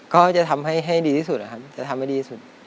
ก็จะทำให้ดีที่สุดนะครับจะทำให้ดีสุด